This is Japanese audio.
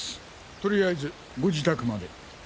とりあえずご自宅まで。